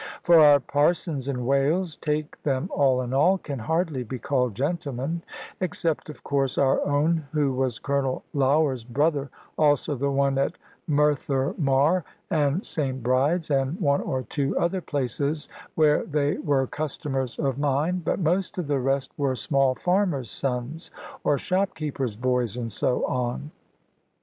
For our parsons in Wales, take them all in all, can hardly be called gentlemen; except, of course, our own, who was Colonel Lougher's brother, also the one at Merthyr Mawr, and St Brides, and one or two other places where they were customers of mine; but most of the rest were small farmers' sons, or shopkeepers' boys, and so on.